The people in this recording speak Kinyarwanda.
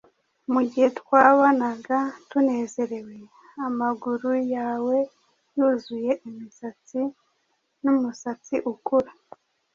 mugihe twabonaga tunezerewe amaguru yawe yuzuye imisatsi n'umusatsi ukura.